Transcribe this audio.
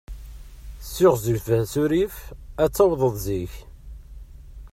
Ssiɣzef asurif, ad tawḍeḍ zik.